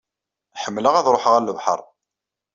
Ḥemmleɣ ad ṛuḥeɣ ɣer lebḥeṛ.